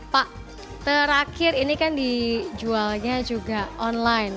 pak terakhir ini kan dijualnya juga online